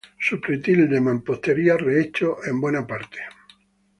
Su pretil de mampostería rehecho en buena parte.